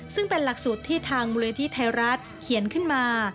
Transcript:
ซึ่งเป็นหลักสูตรที่ทางมูลนิธิไทยรัฐเขียนขึ้นมา